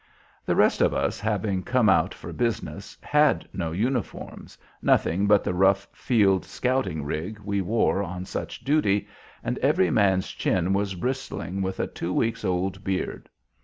The rest of us, having come out for business, had no uniforms, nothing but the rough field, scouting rig we wore on such duty, and every man's chin was bristling with a two weeks' old beard.